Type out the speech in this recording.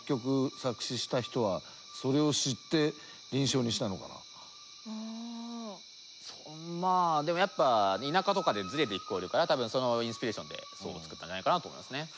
カエルのうたをまあでもやっぱり田舎とかでズレて聞こえるから多分そのインスピレーションでそう作ったんじゃないかなと思いますね。